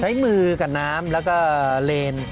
ใช้มือกับน้ำแล้วก็เลน